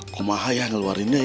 aku mahal ya ngeluarinnya ya